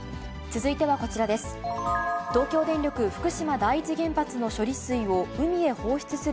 続いてはこちらです。